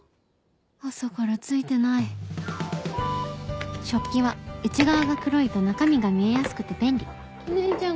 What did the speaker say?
朝からツイてない食器は内側が黒いと中身が見えやすくて便利お姉ちゃん